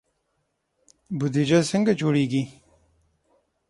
بودجه څنګه جوړیږي؟